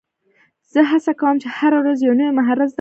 زه هڅه کوم، چي هره ورځ یو نوی مهارت زده کړم.